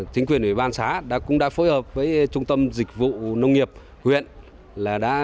chính quyền ủy ban xã cũng đã phối hợp với trung tâm dịch vụ nông nghiệp huyện đã